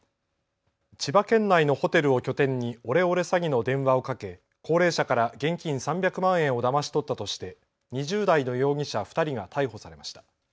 千葉県内のホテルを拠点にオレオレ詐欺の電話をかけ高齢者から現金３００万円をだまし取ったとして２０代の容疑者２人が逮捕されました。